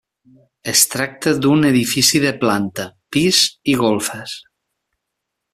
Es tracta d'un edifici de planta, pis i golfes.